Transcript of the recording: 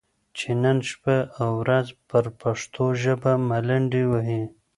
چې نن شپه او ورځ پر پښتو ژبه ملنډې وهي،